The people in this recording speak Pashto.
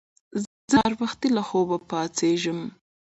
زه سهار وختي له خوبه پاڅېږم